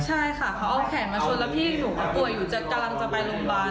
ใช่ค่ะเขาเอาแขนมาชนแล้วพี่หนูก็ป่วยอยู่กำลังจะไปโรงพยาบาล